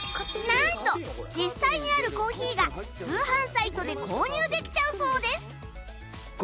なんと実際にあるコーヒーが通販サイトで購入できちゃうそうです